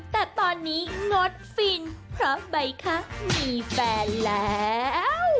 แต่ตอนนี้งดฟินเพราะใบคะมีแฟนแล้ว